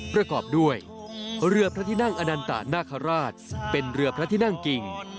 ประกอบด้วยเรือพระที่นั่งอนันตะนาคาราชเป็นเรือพระที่นั่งกิ่ง